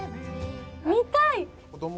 見たい！